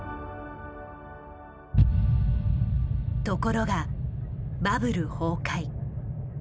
ところがバブル崩壊。